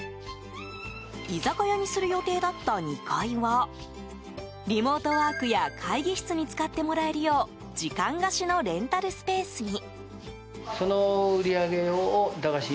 居酒屋にする予定だった２階はリモートワークや会議室に使ってもらえるよう時間貸しのレンタルスペースに。